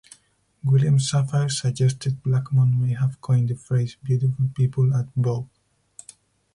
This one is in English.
William Safire suggested Blackmon may have coined the phrase "beautiful people" at "Vogue".